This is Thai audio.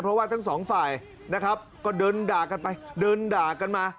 เพราะว่าทั้งสองฝ่ายนะครับก็เดินด่ากันไปเดินด่ากันมา